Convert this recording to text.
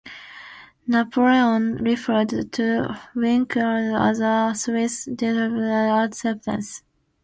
Napoleon referred to Winkelried as "the Swiss Decius immortalized" at Sempach.